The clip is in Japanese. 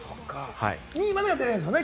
２位までが出られるんですね。